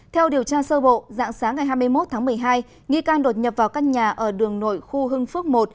theo điều tra sơ bộ dạng sáng ngày hai mươi một tháng một mươi hai nghi can đột nhập vào căn nhà ở đường nội khu hưng phước một